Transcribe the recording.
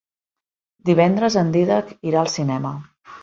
Divendres en Dídac irà al cinema.